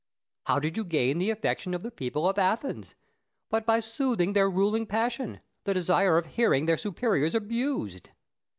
How did you gain the affection of the people of Athens but by soothing their ruling passion the desire of hearing their superiors abused?